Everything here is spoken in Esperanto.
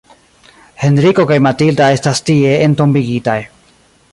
Henriko kaj Matilda estas tie entombigitaj.